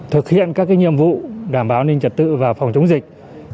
thực hiện các nhiệm vụ đảm bảo an ninh trật tự và phòng chống dịch